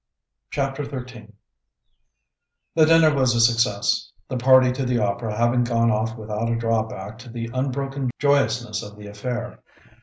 CHAPTER XIII The dinner was a success, the party to the opera having gone off without a drawback to the unbroken joyousness of the affair.